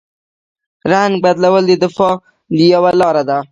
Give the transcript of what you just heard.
رنګ بدلول د دفاع یوه لاره ده